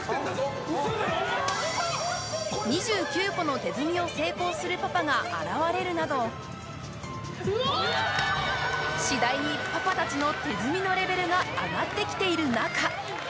２９個の手積みを成功するパパが現れるなど次第にパパたちの手積みのレベルが上がってきている中